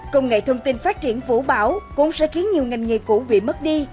công nghệ thông tin phát triển vũ bảo cũng sẽ khiến nhiều ngành nghề cũ bị mất đi